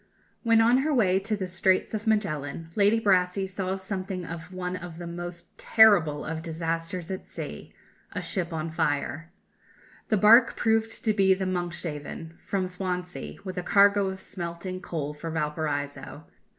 " When on her way to the Straits of Magellan, Lady Brassey saw something of one of the most terrible of "disasters at sea" a ship on fire. The barque proved to be the Monkshaven, from Swansea, with a cargo of smelting coal for Valparaiso.